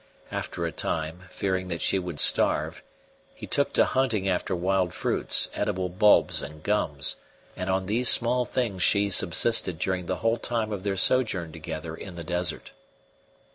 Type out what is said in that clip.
After a time, fearing that she would starve, he took to hunting after wild fruits, edible bulbs and gums, and on these small things she subsisted during the whole time of their sojourn together in the desert.